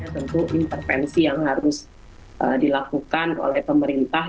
tentu intervensi yang harus dilakukan oleh pemerintah